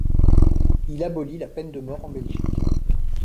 Il abolit la peine de mort en Belgique.